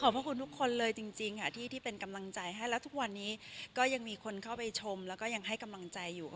พระคุณทุกคนเลยจริงค่ะที่เป็นกำลังใจให้แล้วทุกวันนี้ก็ยังมีคนเข้าไปชมแล้วก็ยังให้กำลังใจอยู่